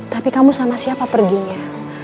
tapi kamu sama siapa perginya